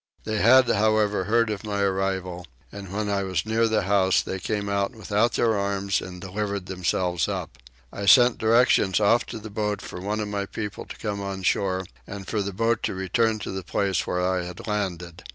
They had however heard of my arrival; and when I was near the house they came out without their arms and delivered themselves up. I sent directions off to the boat for one of my people to come on shore and for the boat to return to the place where I had landed.